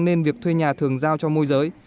nên việc thuê nhà thường giao cho môi giới